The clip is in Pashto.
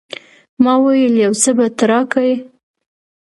ما وويل يو څه به ته راکې.